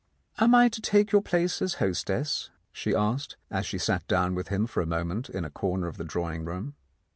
"Am I to take your place as hostess? " she asked, as she sat down with him for a moment in a corner of the drawing room.